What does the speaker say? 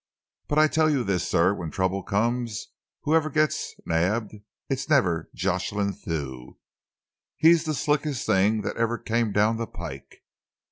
But I tell you this, sir. When the trouble comes, whoever gets nabbed it's never Jocelyn Thew. He's the slickest thing that ever came down the pike."